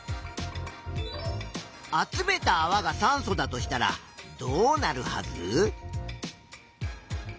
集めたあわが酸素だとしたらどうなるはず？